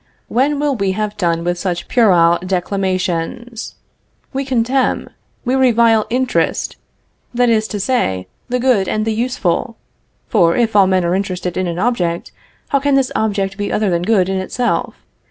When will we have done with such puerile declamations? We contemn, we revile interest, that is to say, the good and the useful, (for if all men are interested in an object, how can this object be other than good in itself?)